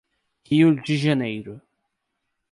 Rio de Janeiro